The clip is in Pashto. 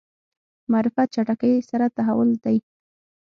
معرفت چټکۍ سره تحول دی.